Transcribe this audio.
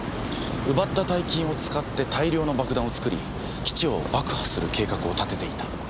奪った大金を使って大量の爆弾を作り基地を爆破する計画を立てていた。